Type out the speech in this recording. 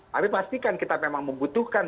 tapi pastikan kita memang membutuhkan